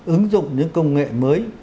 ứng dụng những công nghệ mới